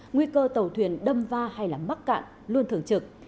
nguy cơ tàu thuyền đâm va hay mắc cạn luôn thường trực